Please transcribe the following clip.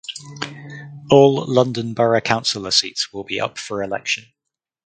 All London borough councillor seats will be up for election.